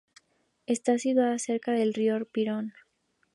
Está situada cerca del río Pirón